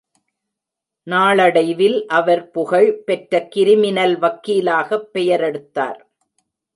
நாளடைவில் அவர் புகழ் பெற்ற கிரிமினல் வக்கீலாகப் பெயரெடுத்தார்.